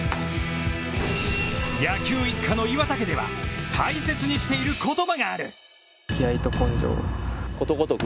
野球一家の岩田家では大切にしている言葉がある。